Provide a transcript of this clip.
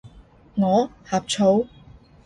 我？呷醋？